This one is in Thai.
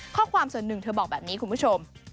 ข้อความส่วนหนึ่งเธอบอกแบบนี้คุณผู้ชม